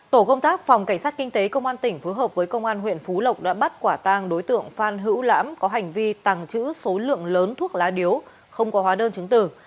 tổ công tác phòng cảnh sát kinh tế công an tỉnh phối hợp với công an huyện phú lộc đã bắt quả tang đối tượng phan hữu lãm có hành vi tàng trữ số lượng lớn thuốc lá điếu không có hóa đơn chứng tử